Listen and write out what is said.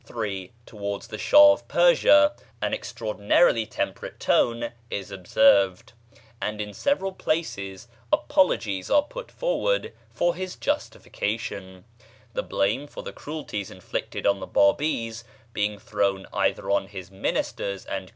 (3) Towards the Sháh of Persia an extraordinarily temperate tone is observed, and in several places apologies are put forward for his justification, the blame for the cruelties inflicted on the Bábís being thrown either on his 1 See Note B at end.